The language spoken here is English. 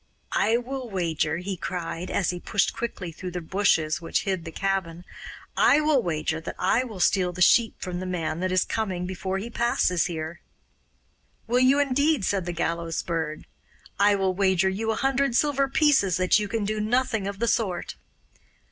'I will wager,' he cried, as he pushed quickly through the bushes which hid the cabin 'I will wager that I will steal the sheep from the man that is coming before he passes here.' 'Will you indeed?' said the Gallows Bird. 'I will wager you a hundred silver pieces that you can do nothing of the sort.